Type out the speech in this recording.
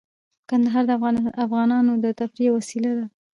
کندهار د افغانانو د تفریح یوه وسیله ده.